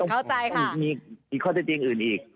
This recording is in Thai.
เข้าใจค่ะมันต้องมีข้อตัวจริงอื่นอีก